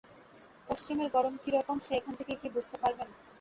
পশ্চিমের গরম কি রকম সে এখান থেকে কি বুঝতে পারবেন!